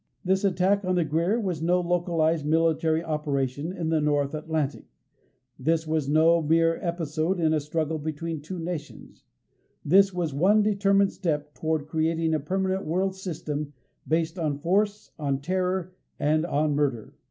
This attack on the GREER was no localized military operation in the North Atlantic. This was no mere episode in a struggle between two nations. This was one determined step towards creating a permanent world system based on force, on terror and on murder.